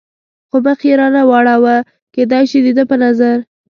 خو مخ یې را نه واړاوه، کېدای شي د ده په نظر.